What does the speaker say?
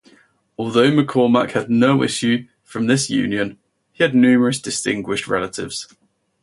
Although MacCormac had no issue from this union, he had numerous distinguished relatives.